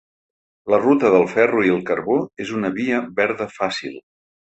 La ruta del ferro i el carbó és una via verda fàcil.